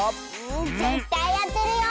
ぜったいあてるよ！。